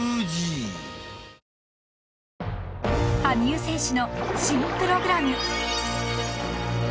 ［羽生選手の新プログラム］